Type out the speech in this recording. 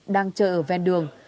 đang chơi ở ven đường